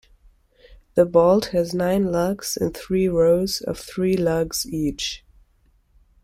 The bolt has nine lugs in three rows of three lugs each.